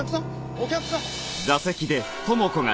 お客さん。